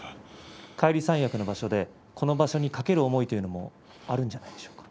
返り三役の場所でこの場所にかける思いというのもあるんじゃないでしょうか。